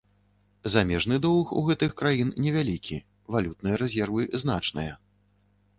Замежны доўг у гэтых краін невялікі, валютныя рэзервы значныя.